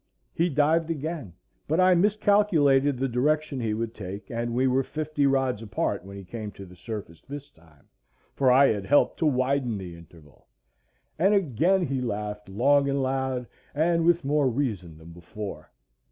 He dived again, but I miscalculated the direction he would take, and we were fifty rods apart when he came to the surface this time, for I had helped to widen the interval; and again he laughed long and loud, and with more reason than before.